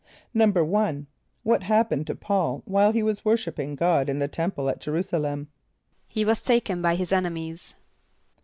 =1.= What happened to P[a:]ul while he was worshipping God in the temple at J[+e] r[u:]´s[+a] l[)e]m? =He was taken by his enemies.